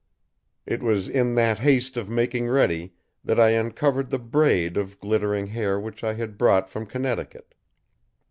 It was in that haste of making ready that I uncovered the braid of glittering hair which I had brought from Connecticut.